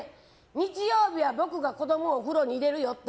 日曜日は僕がお風呂に入れるよって。